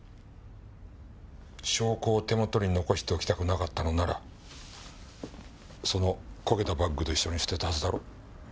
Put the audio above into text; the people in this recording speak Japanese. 証拠を手元に残しておきたくなかったのならその焦げたバッグと一緒に捨てたはずだろ？